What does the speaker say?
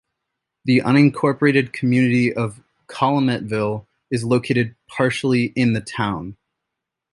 The unincorporated community of Calumetville is located partially in the town.